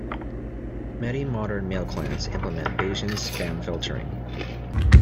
Many modern mail clients implement Bayesian spam filtering.